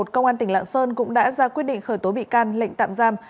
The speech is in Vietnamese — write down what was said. công an tỉnh lạng sơn cũng đã ra quyết định khởi tố bị can lệnh tạm giam